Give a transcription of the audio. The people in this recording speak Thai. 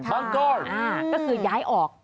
มังกรค่ะอ่าคือย้ายออก